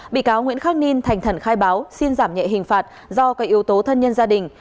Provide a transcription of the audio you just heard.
bị cáo nguyễn khắc ninh thành khẩn khai báo xin giảm nhẹ hình phạt do các yếu tố thân nhân gia đình